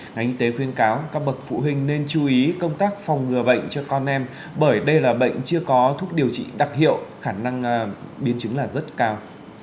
ngành y tế khuyên cáo các bậc phụ huynh nên chú ý công tác phòng ngừa bệnh cho con em bởi đây là bệnh chưa có thuốc điều trị đặc hiệu khả năng biến chứng là rất cao